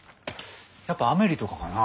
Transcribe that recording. やっぱ「アメリ」とかかな。